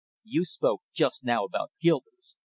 You spoke just now about guilders.